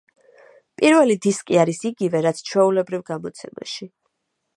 პირველი დისკი არის იგივე, რაც ჩვეულებრივ გამოცემაში.